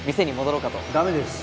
ダメです。